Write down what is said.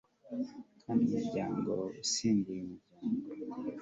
kandi umuryango usimbuye umuryango